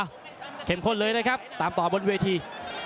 เอ้าเข็มข้นเลยเลยครับตามต่อบนเวที